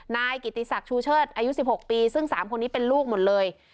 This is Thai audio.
นายกิติศักดิ์ชูเชิดอายุ๑๖ปีซึ่ง๓คนนี้เป็นลูกหมดเลย